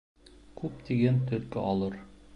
Күп тигән төлкө алыр